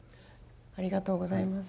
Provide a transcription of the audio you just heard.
ありがとうございます。